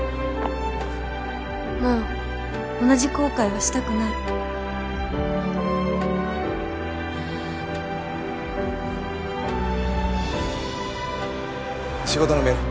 もう同じ後悔はしたくない仕事のメール。